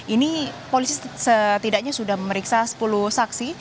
ini polisi setidaknya sudah memeriksa sepuluh saksi